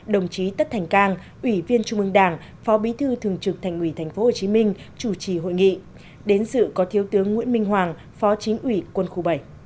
đồng chí tất thành cang ủy viên trung ương đảng phó bí thư thường trực thành ủy tp hcm chủ trì hội nghị đến dự có thiếu tướng nguyễn minh hoàng phó chính ủy quân khu bảy